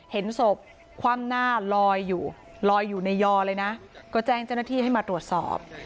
เห็นศพคว่ำหน้าลอยอยู่ลอยอยู่ในยอเลยนะก็แจ้งเจ้าหน้าที่ให้มาตรวจสอบ